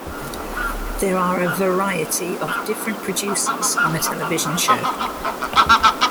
There are a variety of different producers on a television show.